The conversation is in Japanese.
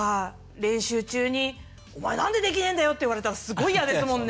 練習中に「お前何でできねぇんだよ！」って言われたらすごい嫌ですもんね。